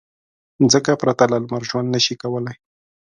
مځکه پرته له لمر ژوند نه شي کولی.